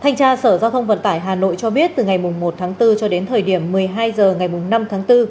thanh tra sở giao thông vận tải hà nội cho biết từ ngày một tháng bốn cho đến thời điểm một mươi hai h ngày năm tháng bốn